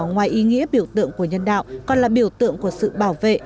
ngoài ý nghĩa biểu tượng của nhân đạo còn là biểu tượng của sự bảo vệ